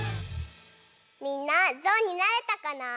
みんなぞうになれたかな？